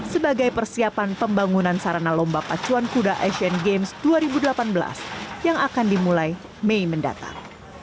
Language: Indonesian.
sebagai persiapan pembangunan sarana lomba pacuan kuda asian games dua ribu delapan belas yang akan dimulai mei mendatang